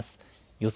予想